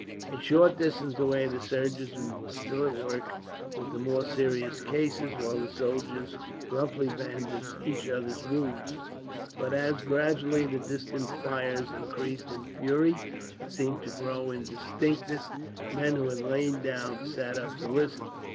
A short distance away the surgeons were still at work with the more serious cases, while the soldiers roughly bandaged each other's wounds; but as, gradually, the distant firing increased in fury, and seemed to grow in distinctness, men who had lain down sat up to listen.